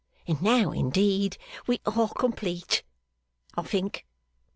And now indeed we are complete, I think!